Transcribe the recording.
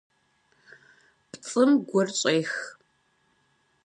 ПцIым гур щIех.